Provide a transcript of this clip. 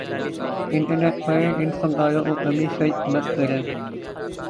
internet پر ان فنکاروں کو کبھی سرچ مت کریں